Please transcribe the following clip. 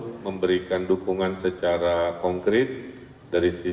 langsung memberikan dukungan secara kompetitif